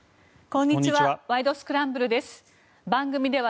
こんにちは。